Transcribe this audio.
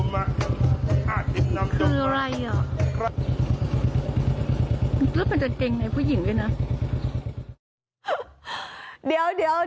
มันก็เป็นจันเกงในผู้หญิงเลยนะ